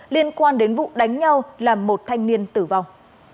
liên quan đến vụ đánh nhau làm một thanh niên tử vong